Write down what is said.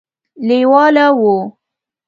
لېواله وو.